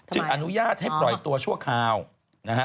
อนุญาตให้ปล่อยตัวชั่วคราวนะฮะ